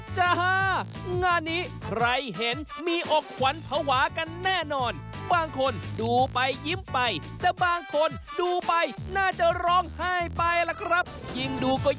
เชื่อไปดู